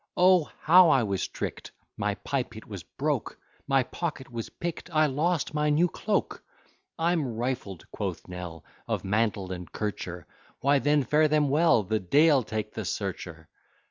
O how was I trick'd! My pipe it was broke, My pocket was pick'd, I lost my new cloak. I'm rifled, quoth Nell, Of mantle and kercher, Why then fare them well, The de'el take the searcher.